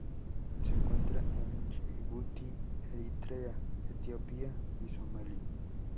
Se encuentra en Yibuti Eritrea Etiopía y Somalia.